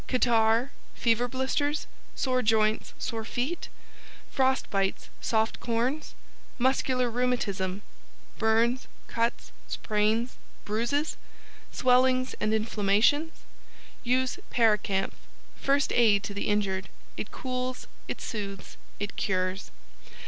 Catarrh, Fever Blisters? Sore Joints, Sore Feet? Frost Bites, Soft Corns? MUSCULAR RHEUMATISM? Burns, Cuts, Sprains, Bruises? Swellings and Inflammations? Use Paracamph First Aid To The Injured It Cools. It Soothes. It Cures.